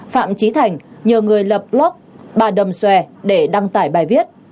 phạm trí thành nhờ người lập block bà đầm xòe để đăng tải bài viết